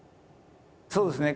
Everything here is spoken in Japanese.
そうですね。